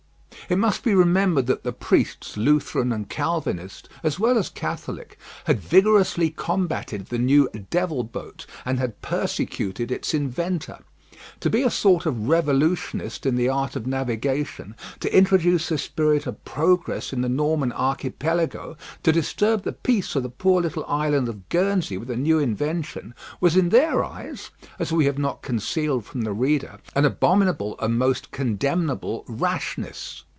It must be remembered that the priests Lutheran and Calvinist, as well as Catholic had vigorously combated the new "Devil Boat," and had persecuted its inventor. To be a sort of revolutionist in the art of navigation, to introduce a spirit of progress in the Norman Archipelago, to disturb the peace of the poor little island of Guernsey with a new invention, was in their eyes, as we have not concealed from the reader, an abominable and most condemnable rashness.